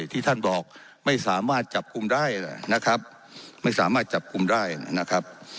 ที่ท่านบอกไม่สามารถจับกลุ่มได้นะครับไม่สามารถจับกลุ่มได้นะครับ